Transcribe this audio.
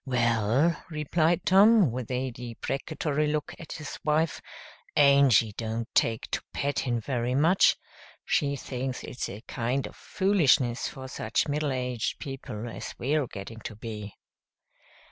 "Well," replied Tom, with a deprecatory look at his wife, "Angy don't take to pettin' very much. She thinks it's a kind of foolishness for such middle aged people as we're getting to be."